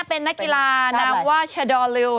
เป็นนักกีฬานามว่าชะดอริว